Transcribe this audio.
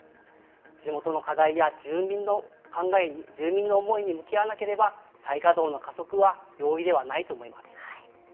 地元の課題や住民の思いに向き合わなければ、再稼働の加速は容易ではないと思います。